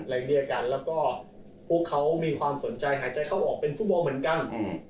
เรียกกันแล้วก็พวกเขามีความสนใจหายใจเข้าออกเป็นฟุตบอลเหมือนกัน